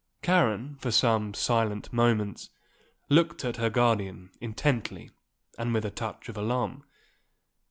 Karen, for some silent moments, looked at her guardian, intently and with a touch of alarm.